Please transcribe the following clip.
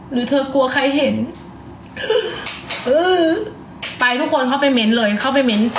หรือเธอกลัวใครเห็นเออไปทุกคนเข้าไปเม้นเลยเข้าไปเม้น